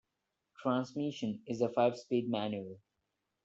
Transmission is a five speed manual.